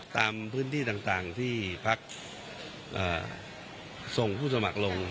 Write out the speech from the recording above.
ตามพื้นที่ต่างที่พักส่งผู้สมัครลง